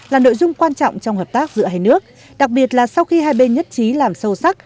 là nội dung quan trọng trong hợp tác giữa hai nước đặc biệt là sau khi hai bên nhất trí làm sâu sắc